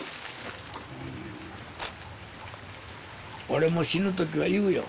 俺も死ぬ時は言うよ。